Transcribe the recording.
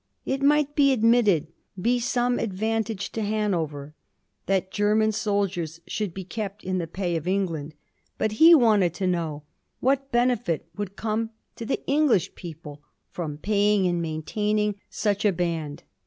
It might, he admitted, be some advantage to Hanover that German soldiers should be kept in the pay of England, but he wanted to know what benefit could come to the Eng lish people firom pa3dng and maintaining such a band.